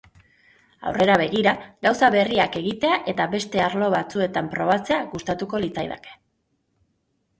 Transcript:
Aurrera begira, gauza berriak egitea eta beste arlo batzuetan probatzea gustatuko litzaidake.